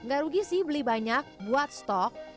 gak rugi sih beli banyak buat stok